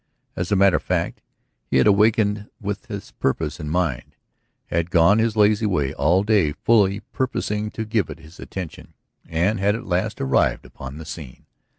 As a matter of fact he had awakened with this purpose in mind, had gone his lazy way all day fully purposing to give it his attention, and had at last arrived upon the scene.